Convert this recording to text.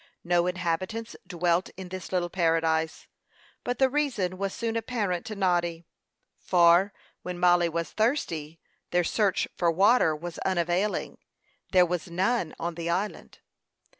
No inhabitants dwelt in this little paradise; but the reason was soon apparent to Noddy; for, when Mollie was thirsty, their search for water was unavailing. There was none on the island.